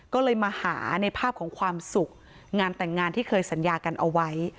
ก็เลยมาหาในภาพของความสุขงานแต่งงานที่เคยสัญญากันเอาไว้